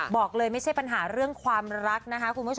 บอกเลยไม่ใช่ปัญหาเรื่องความรักนะคะ